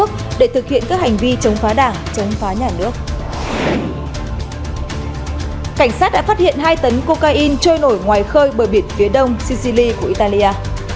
cảnh sát đã phát hiện hai tấn cocaine trôi nổi ngoài khơi bờ biển phía đông sisili của italia